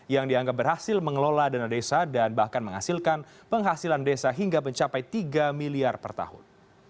yang dianggap berhasil mengelola dana desa dan bahkan menghasilkan penghasilan desa hingga mencapai tiga miliar per tahun